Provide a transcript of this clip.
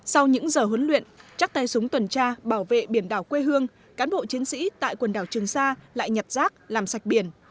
sau những giờ huấn luyện chắc tay súng tuần tra bảo vệ biển đảo quê hương cán bộ chiến sĩ tại quần đảo trường sa lại nhặt rác làm sạch biển